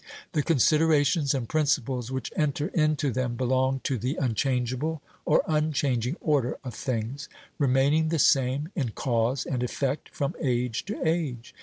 The considerations and principles which enter into them belong to the unchangeable, or unchanging, order of things, remaining the same, in cause and effect, from age to age.